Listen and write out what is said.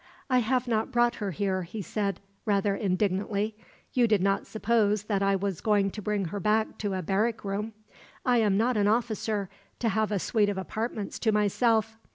"I have not brought her here," he said, rather indignantly. "You did not suppose that I was going to bring her back to a barrack room? I am not an officer, to have a suite of apartments to myself.